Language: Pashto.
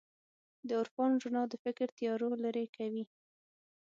د عرفان رڼا د فکر تیارو لېرې کوي.